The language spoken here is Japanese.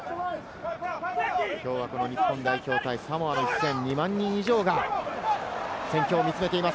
きょうは日本代表対サモアの一戦、２万人以上が戦況を見つめています。